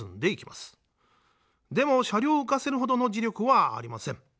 でも車両を浮かせるほどの磁力はありません。